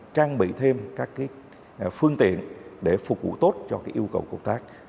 trang bị thêm các phương tiện để phục vụ tốt cho yêu cầu công tác